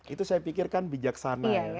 itu saya pikirkan bijaksana